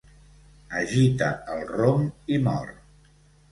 Agita el rom i mor.